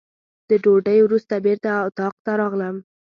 د ډوډۍ وروسته بېرته اتاق ته راغلم.